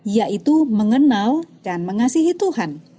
yaitu mengenal dan mengasihi tuhan